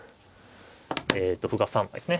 えっと歩が３枚ですね。